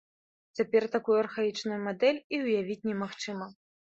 Цяпер такую архаічную мадэль і ўявіць немагчыма.